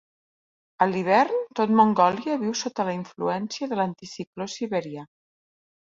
A l'hivern tot Mongòlia viu sota la influència de l'anticicló siberià.